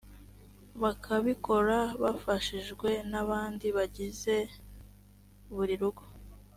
bakabikora bafashijwe n abandi bagize buri rugo